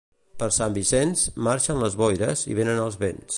Per Sant Vicenç, marxen les boires i venen els vents.